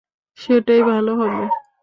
সেটাই ভালো হবে!